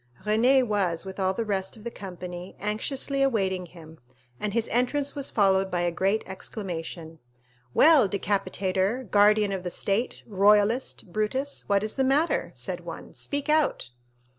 Renée was, with all the rest of the company, anxiously awaiting him, and his entrance was followed by a general exclamation. "Well, Decapitator, Guardian of the State, Royalist, Brutus, what is the matter?" said one. "Speak out."